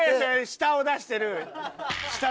下を出してる。